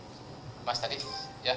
yang dnwhatsapp yang di nulis kan